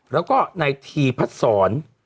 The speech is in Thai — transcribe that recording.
แล้วก็ในทีพัฒนศร